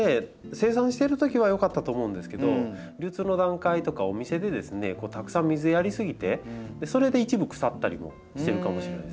生産してるときは良かったと思うんですけど流通の段階とかお店でたくさん水やり過ぎてそれで一部腐ったりもしてるかもしれないですね。